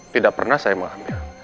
tidak pernah saya mau ambil